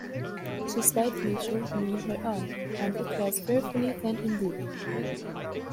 She slightly showed me her arm, and it was fearfully thin indeed.